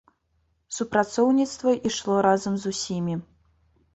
Супрацоўніцтва ішло разам з усімі.